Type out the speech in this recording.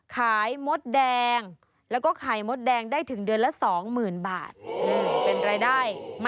พี่ทศพรบอกว่าเดือนนึงนี้นะ